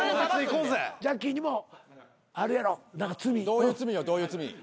どういう罪よどういう罪。